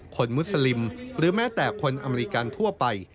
มุสลิมหรือแม้แต่คนอเมริกันทั่วไป